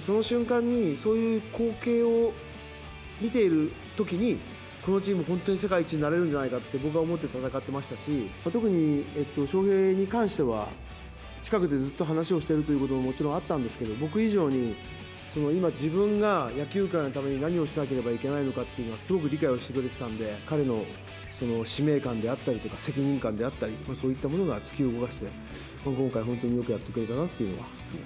その瞬間に、そういう光景を見ているときに、このチーム、本当に世界一になれるんじゃないかって、僕は思って戦ってましたし、特に翔平に関しては、近くでずっと話をしているということももちろんあったんですけど、僕以上に今自分が野球界のために何をしなければいけないのかというのは、すごく理解をしてくれてたんで、彼の使命感であったりとか、責任感であったり、そういったものが突き動かして、今回、本当によくやってくれたなＷＢＣの興奮冷めやらぬまま、